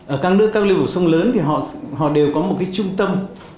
ở các nước các lưu vực sông lớn thì họ đều có một cái trung tâm